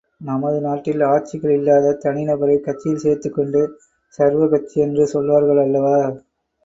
நமது நாட்டில் ஆட்சிகள் இல்லாத தனி நபரைக் கட்சியில் சேர்த்துக்கொண்டு சர்வ கட்சி என்று சொல்வார்கள் அல்லவா?